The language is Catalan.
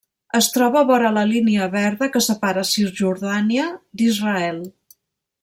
Es troba vora la Línia verda que separa Cisjordània d'Israel.